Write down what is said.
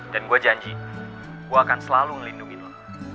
dan gue janji gue akan selalu ngelindungi lo